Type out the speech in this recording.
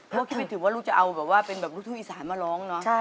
เพราะคิดไม่ถึงว่าผมจะเอาลูกทุ่มอีสานมาร้อง